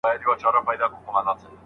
دا اپلیکیشن د عمل یوه نمونه ده.